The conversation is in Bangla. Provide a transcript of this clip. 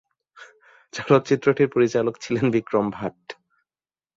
চলচ্চিত্রটির পরিচালক ছিলেন বিক্রম ভাট।